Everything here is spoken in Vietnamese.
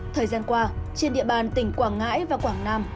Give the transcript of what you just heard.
thời gian qua trên địa bàn tỉnh quảng ngãi và quảng nam